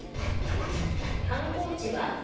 観光地は？